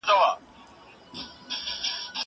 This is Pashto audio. زه اوس د ښوونځی لپاره امادګي نيسم؟!